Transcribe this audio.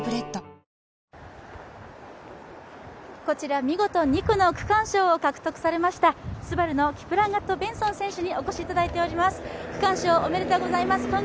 こちら見事、２区の区間賞を獲得されましたＳＵＢＡＲＵのキプランガット・ベンソン選手にお越しいただいています。